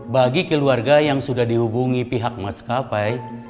bagi keluarga yang sudah dihubungi pihak mas kapai